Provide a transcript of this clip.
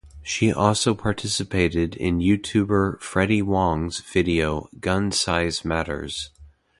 She also participated in YouTuber Freddie Wong's video "Gun Size Matters".